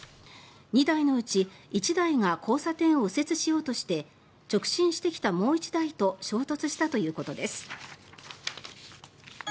２台のうち１台が交差点を右折しようとして直進してきたもう１台と衝突したということです。